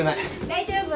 大丈夫